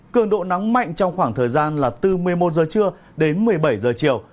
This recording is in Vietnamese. cường độ nắng mạnh trong khoảng thời gian là từ một mươi một giờ trưa đến một mươi bảy giờ chiều